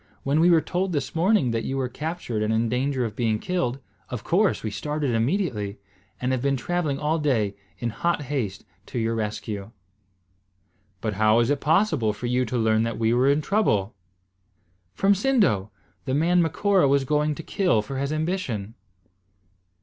"When we were told this morning that you were captured and in danger of being killed, of course we started immediately, and have been travelling all day in hot haste to your rescue." "But how was it possible for you to learn that we were in trouble?" "From Sindo, the man Macora was going to kill for his ambition."